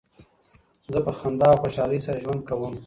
زه په خندا او خوشحالۍ سره ژوند کوم.